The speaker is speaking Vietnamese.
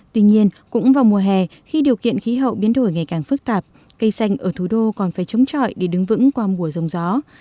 tuy nhiên cũng vào mùa hè khi điều kiện khí hậu biến đổi ngày càng phức tạp cây xanh ở thủ đô còn phải chống trọi để đứng vững qua mùa dông gió